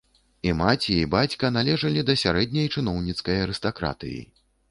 І маці, і бацька належалі да сярэдняй чыноўніцкай арыстакратыі.